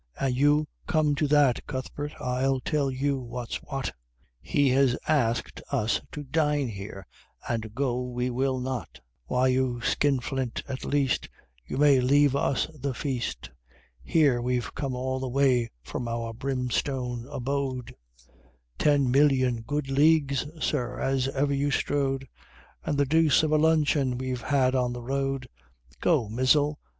An you come to that, Cuthbert, I'll tell you what's what; He has asked us to dine here, and go we will not! Why, you Skinflint, at least You may leave us the feast! Here we've come all that way from our brimstone abode, Ten million good leagues, sir, as ever you strode, And the deuce of a luncheon we've had on the road 'Go!' 'Mizzle!'